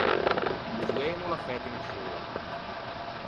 O zoeno o l’à fæto unna scena.